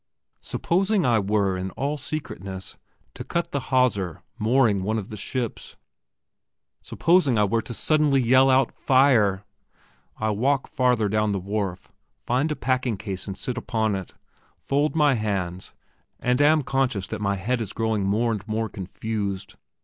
Supposing I were in all secretness to cut the hawser mooring one of those ships? Supposing I were to suddenly yell out "Fire"? I walk farther down the wharf, find a packing case and sit upon it, fold my hands, and am conscious that my head is growing more and more confused.